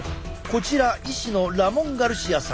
こちら医師のラモン・ガルシアさん。